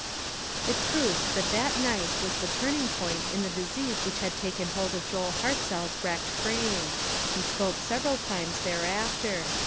It proved that that night was the turn ing point in the disease which had taken hold of Joel Hartzell's wrecked frame. He spoke several times thereafter.